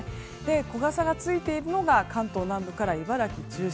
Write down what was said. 小傘がついているのが関東南部から茨城中心。